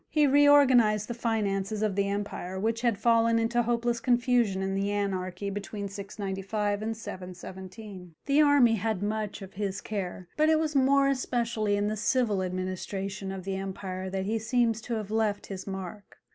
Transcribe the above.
He reorganized the finances of the empire, which had fallen into hopeless confusion in the anarchy between 695 and 717. The army had much of his care, but it was more especially in the civil administration of the empire that he seems to have left his mark.